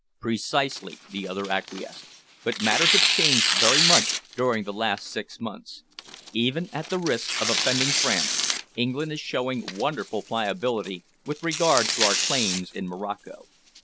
"Precisely," the other acquiesced, "but matters have changed very much during the last six months. Even at the risk of offending France, England is showing wonderful pliability with regard to our claims in Morocco.